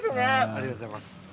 ありがとうございます。